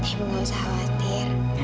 ibu nggak usah khawatir